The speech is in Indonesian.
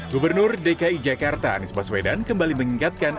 gubernur dki jakarta anies baswedan kembali mengingatkan